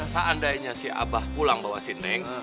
seandainya si abah pulang bawa si neng